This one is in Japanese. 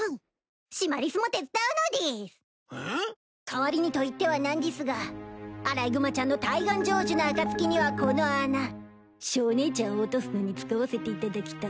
代わりにと言っては何でぃすがアライグマちゃんの大願成就の暁にはこの穴ショーねいちゃんを落とすのに使わせていただきたく。